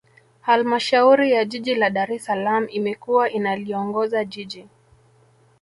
Halmashauri ya Jiji la Dar es Salaam imekuwa inaliongoza Jiji